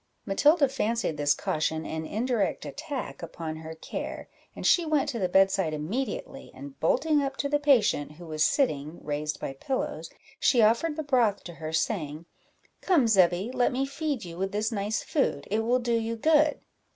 Matilda fancied this caution an indirect attack upon her care, and she went to the bedside immediately, and bolting up to the patient, who was sitting, raised by pillows, she offered the broth to her, saying "Come, Zebby, let me feed you with this nice food it will do you good."